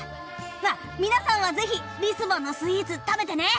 あっ皆さんはぜひリスボンのスイーツ食べてね！